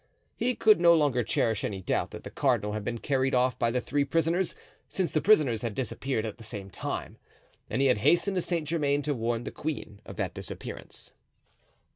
He could no longer cherish any doubt that the cardinal had been carried off by the three prisoners, since the prisoners had disappeared at the same time; and he had hastened to Saint Germain to warn the queen of that disappearance.